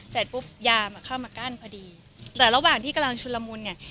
เสร็จปุ๊บยามอ่ะเข้ามากั้นพอดีแต่ระหว่างที่กำลังชุนละมุนเนี่ย